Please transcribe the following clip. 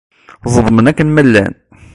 Ẓedmen akken ma llan.